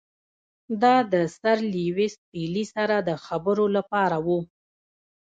دا د سر لیویس پیلي سره د خبرو لپاره وو.